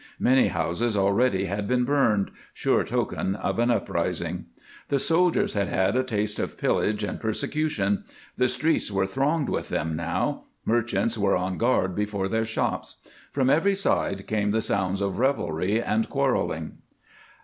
Many houses already had been burned sure token of an uprising. The soldiers had had a taste of pillage and persecution. The streets were thronged with them now; merchants were on guard before their shops; from every side came the sounds of revelry and quarreling.